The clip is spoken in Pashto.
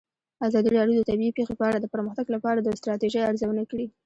ازادي راډیو د طبیعي پېښې په اړه د پرمختګ لپاره د ستراتیژۍ ارزونه کړې.